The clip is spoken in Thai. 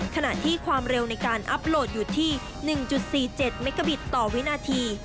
ขณะที่ความเร็วในการอัพโหลดอยู่ที่๑๔๗เมกาบิตต่อวินาที